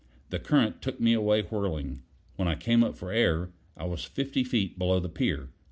The current took me away whirling; when I came up for air, I was fifty feet below the pier.